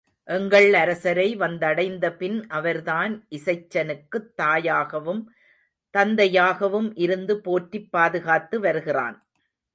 எங்கள் அரசரை வந்தடைந்தபின் அவர்தான் இசைச்சனுக்குத் தாயாகவும் தந்தையாகவும் இருந்து போற்றிப் பாதுகாத்து வருகிறான்.